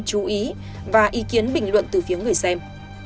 chú ý và ý kiến bình luận từ phía người xem